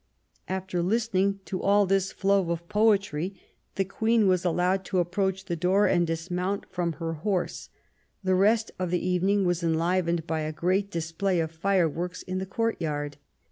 After listening to all this flow of poetry the Queen was allowed to approach the door and dismount from her horse. The rest of the evening was enlivened by a great display of fireworks in the courtyard.